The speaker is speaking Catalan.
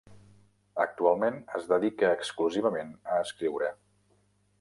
Actualment es dedica exclusivament a escriure.